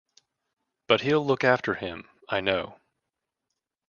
But he’ll look after him, I know.